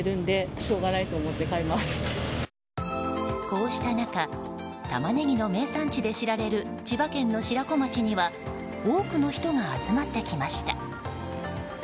こうした中タマネギの名産地で知られる千葉県の白子町には多くの人が集まってきました。